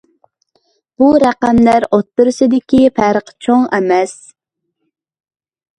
بۇ رەقەملەر ئوتتۇرىسىدىكى پەرق چوڭ ئەمەس.